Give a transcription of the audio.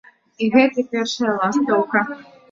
І гэта першая ластаўка.